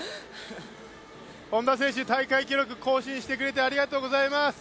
本多選手、大会記録更新してくれてありがとうございます。